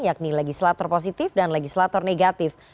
yakni legislator positif dan legislator negatif